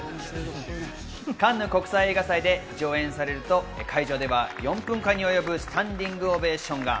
カンヌ国際映画祭で上演されると、会場では４分間に及ぶスタンディングオベーションが。